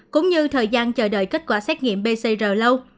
cũng như thời gian chờ đợi kết quả xét nghiệm pcr lâu